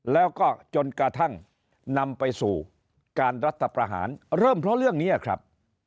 แล้วก็จนกระทั่งนำไปสู่การรัฐประหารเริ่มเพราะเรื่องนี้ครับ